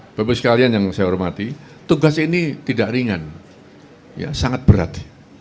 bapak ibu sekalian yang saya hormati tugas ini tidak ringan sangat berat